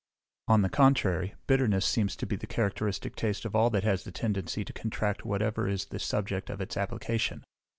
On the contrary, bitterness seems to be the characteristic taste of all that has the tendency to contract whatever is the subject of its application.